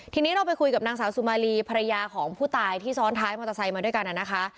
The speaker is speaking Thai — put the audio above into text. ทีนี้เราไปคุยกับนางสาวสุมารีภรรยาของผู้ตายที่ซ้อนท้ายมอเตอร์ไซค์มาด้วยกันนะคะ